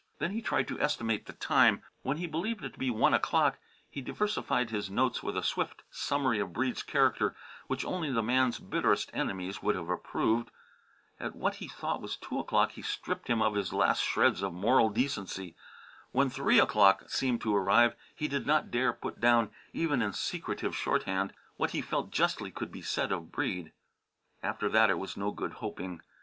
Then he tried to estimate the time. When he believed it to be one o'clock he diversified his notes with a swift summary of Breede's character which only the man's bitterest enemies would have approved. At what he thought was two o'clock he stripped him of the last shreds of moral decency. When three o'clock seemed to arrive he did not dare put down, even in secretive shorthand, what he felt could justly be said of Breede. After that it was no good hoping.